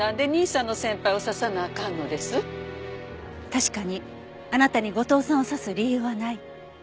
確かにあなたに後藤さんを刺す理由はない。